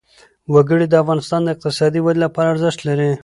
وګړي د افغانستان د اقتصادي ودې لپاره ارزښت لري.